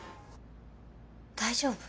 大丈夫？